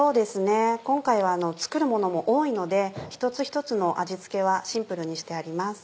今回は作るものも多いので一つ一つの味付けはシンプルにしてあります。